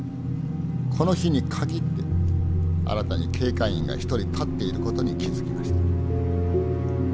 この日に限って新たに警戒員が１人立っている事に気付きました。